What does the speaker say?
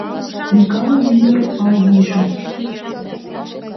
Микалын ӱдыр Палагийжым